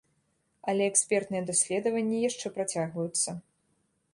Але экспертныя даследаванні яшчэ працягваюцца.